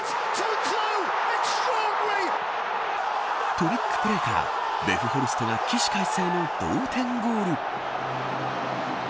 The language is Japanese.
トリックプレーからヴェフホルストが起死回生の同点ゴール。